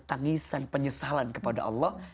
tangisan penyesalan kepada allah